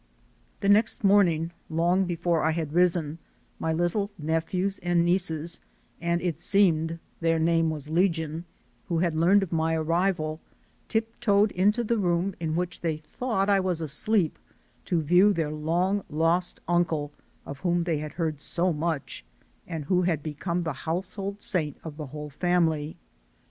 The next morning, long before I had risen, my little nephews and nieces and it seemed their name was legion who had learned of my arrival, tiptoed into the room in which they thought I was asleep, to view their long H O M E I 309 lost uncle of whom they had heard so much and who had become the household saint of the whole family.